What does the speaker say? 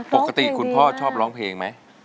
คุณพ่อชอบร้องเพลงไหม